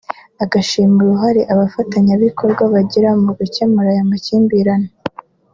agashima uruhare abafatanyabikorwa bagira mu gukemura aya makimbirane